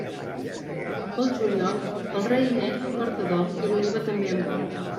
Pel juliol, el raïmet porta dol i l'oliva també en vol.